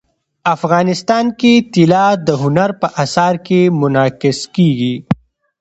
افغانستان کې طلا د هنر په اثار کې منعکس کېږي.